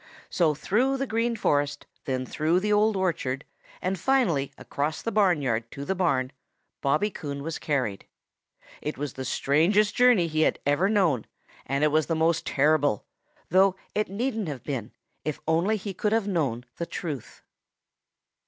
So through the Green Forest, then through the Old Orchard, and finally across the barnyard to the barn Bobby Coon was carried. It was the strangest journey he ever had known and it was the most terrible, though it needn't have been if only he could have known the truth.